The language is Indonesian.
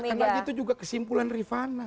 karena itu juga kesimpulan rifana